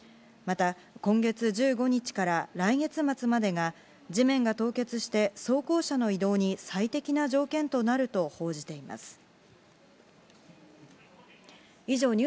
また今月１５日から来月末までが地面が凍結して装甲車の移動に最適な条件となると報じています。